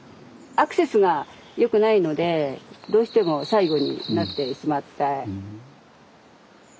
アクセスが良くないのでどうしても最後になってしまって。